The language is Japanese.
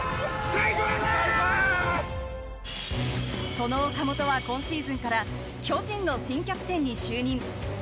その岡本は今シーズンから巨人の新キャプテンに就任。